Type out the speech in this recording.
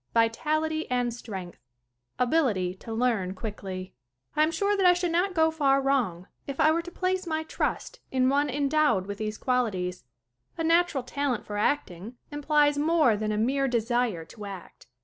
(6) Vitality and strength. (7) Ability to learn quickly. 33 34 SCREEN ACTING I am sure that I should not go far wrong if I were to place my trust in one endowed with these qualities. A natural talent for acting implies more than a mere desire to act.